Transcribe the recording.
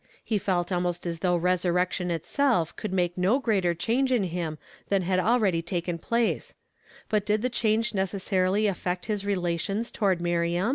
He felt almost as though resurrection itself could make no greater change in him than had already taken place ; but did the change necessarily affect his relations toward M iriam